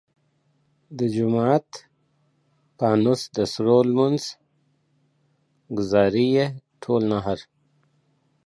د جومات فانوس د سرو لمونځ ګزار ئې ټول نهر !